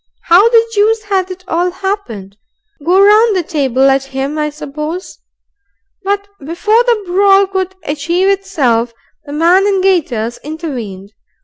How the juice had it all happened? Go round the table at him, I suppose. But before the brawl could achieve itself, the man in gaiters intervened.